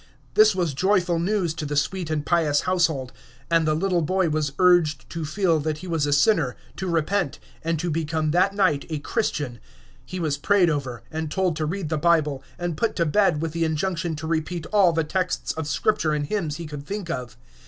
This was joyful news to the sweet and pious household, and the little boy was urged to feel that he was a sinner, to repent, and to become that night a Christian; he was prayed over, and told to read the Bible, and put to bed with the injunction to repeat all the texts of Scripture and hymns he could think of.